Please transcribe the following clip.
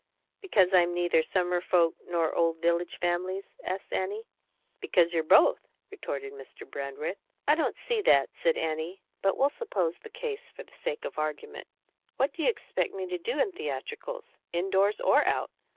"Because I'm neither summer folks nor old village families?" asked Annie. "Because you're both," retorted Mr. Brandreth. "I don't see that," said Annie; "but we'll suppose the case, for the sake of argument. What do you expect me to do in theatricals, in doors or out?